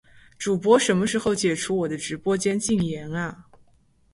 主播什么时候解除我的直播间禁言啊